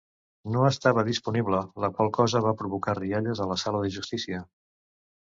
"No estava disponible", la qual cosa va provocar rialles a la sala de justícia.